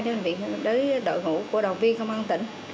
đến đội ngũ của đoàn viên công an tỉnh